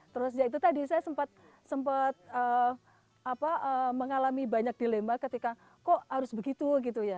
terus ya itu tadi saya sempat mengalami banyak dilema ketika kok harus begitu gitu ya